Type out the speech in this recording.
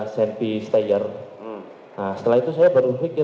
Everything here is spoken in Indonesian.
setelah itu saya baru pikir